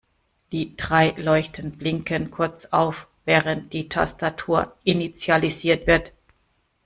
Die drei Leuchten blinken kurz auf, während die Tastatur initialisiert wird.